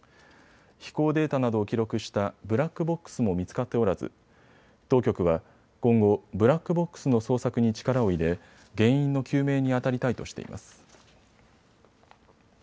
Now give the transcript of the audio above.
飛行データなどを記録したブラックボックスも見つかっておらず当局は今後、ブラックボックスの捜索に力を入れ原因の究明にあたりたいとしています。